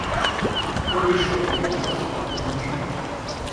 А кто бы еще мог забраться ко мне ночью?